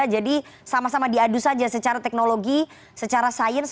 jadi sama sama diadu saja secara teknologi secara sains